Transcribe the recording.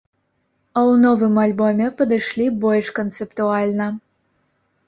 А ў новым альбоме падышлі больш канцэптуальна.